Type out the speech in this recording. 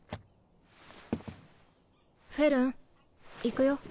フェルン行くよ。